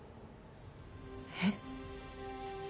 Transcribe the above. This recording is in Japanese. えっ？